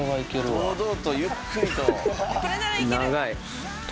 堂々とゆっくりと。